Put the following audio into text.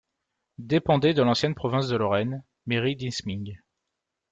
Dépendait de l'ancienne province de Lorraine, mairie d'Insming.